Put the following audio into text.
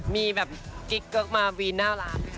มีแบบกิ๊กเกิ๊กมาวีนหน้าร้านไหมคะ